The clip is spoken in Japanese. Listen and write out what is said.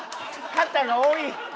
肩が多い！